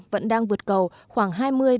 vẫn đang vượt cầu khoảng hai mươi hai mươi năm